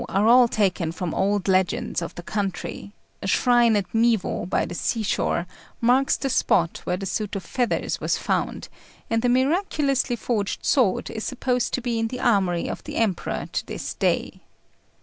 ] The subjects of the Nô are all taken from old legends of the country; a shrine at Miwo, by the sea shore, marks the spot where the suit of feathers was found, and the miraculously forged sword is supposed to be in the armoury of the Emperor to this day.